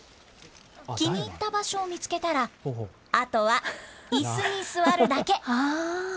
気に入った場所を見つけたら、あとはいすに座るだけ。